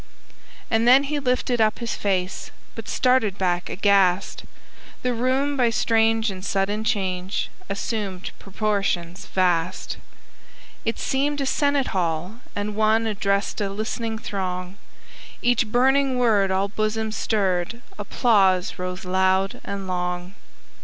And then he lifted up his face, But started back aghast, The room, by strange and sudden change, Assumed proportions vast. It seemed a Senate hall, and one Addressed a listening throng; Each burning word all bosoms stirred, Applause rose loud and long.